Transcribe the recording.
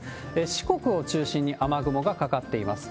四国を中心に雨雲がかかっています。